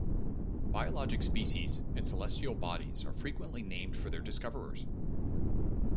Biologic species and celestial bodies are frequently named for their discoverers.